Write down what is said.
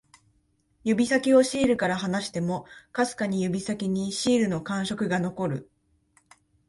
指先をシールから離しても、かすかに指先にシールの感触が残る